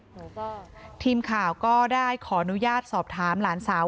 หนูก็ทีมข่าวก็ได้ขออนุญาตสอบถามหลานสาว